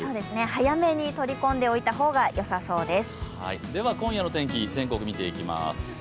早めに取り込んでおいた方がよさそうです。